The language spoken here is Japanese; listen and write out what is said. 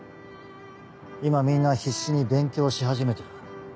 今みんな必死に勉強し始めてる。